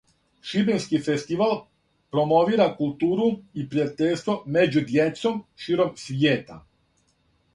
Шибенски фестивал промовира културу и пријатељство меđу дјецом широм свијета.